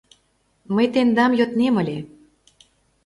— Мый тендам йоднем ыле.